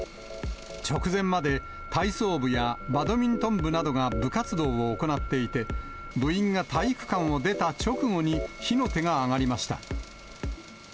直前まで体操部やバドミントン部などが部活動を行っていて、部員が体育館を出た直後に火の手が上がりました。